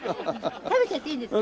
食べちゃっていいんですか？